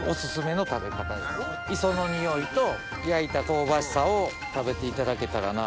磯のにおいと焼いた香ばしさを食べていただけたらなと。